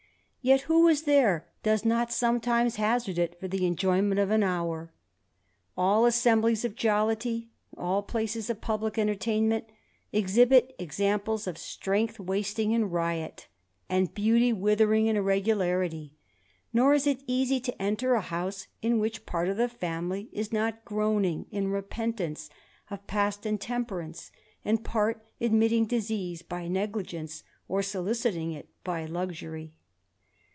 Yet who is there does not sometimes hazard it for the enjoyment of an hour ? All assemblies of jolUty, all places of publick entertainment, exhibit examples of strength wasting in riot, and beauty withering in irregularity ; nor h it easy to enter a house in which part of the family is nol groaning in repentance of past intemperance, and part admitting disease by negligence, or soliciting it by luxury.